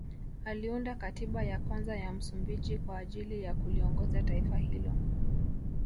Aliunda katiba ya kwanza ya Msumbiji kwa ajili ya kuliongoza taifa hilo